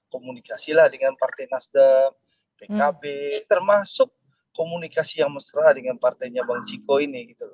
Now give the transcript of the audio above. komunikasilah dengan partai nasdem pkb termasuk komunikasi yang mesra dengan partainya bang ciko ini